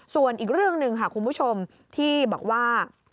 ส่วนอีกเรื่องหนึ่งค่ะคุณผู้ชมที่บอกว่า